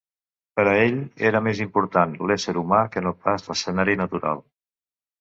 Per a ell era més important l'ésser humà que no pas l'escenari natural.